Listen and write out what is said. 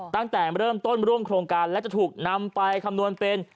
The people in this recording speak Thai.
ตั้งแต่เริ่มต้นร่วมโครงการและจะถูกนำไปคำนวณเป็น